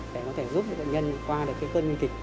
để có thể giúp bệnh nhân qua cơn nguyên kịch